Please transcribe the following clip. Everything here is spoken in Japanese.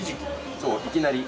そういきなり。